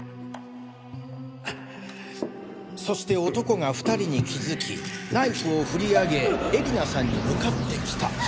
そして男が２人に気付きナイフを振り上げ絵里菜さんに向かって来た。